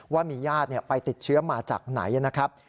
ว่ามีญาติไปติดเชื้อมาจากไหนนะครับ